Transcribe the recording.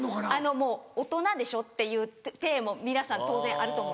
もう大人でしょっていう体も皆さん当然あると思う。